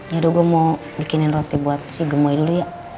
yaudah gue mau bikinin roti buat si gemui dulu ya